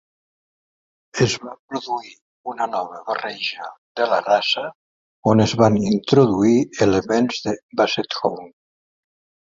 Es va produir una nova barreja de la raça on es van introduir elements del Basset Hound.